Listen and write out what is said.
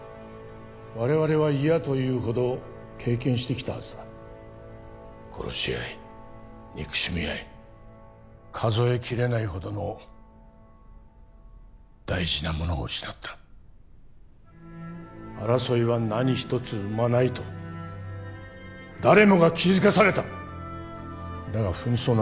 我々は嫌というほど経験してきたはずだ殺し合い憎しみ合い数え切れないほどの大事なものを失った争いは何一つ生まないと誰もが気づかされただが紛争の